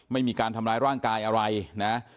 ไม่มีการทำร้ายร่างกายอะไรนะ